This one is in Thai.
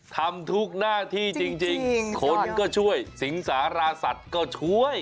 ทำทุกหน้าที่จริงคนก็ช่วยสิงสาราสัตว์ก็ช่วย